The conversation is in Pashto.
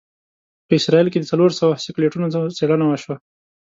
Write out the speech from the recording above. په اسرایل کې د څلوروسوو سکلیټونو څېړنه وشوه.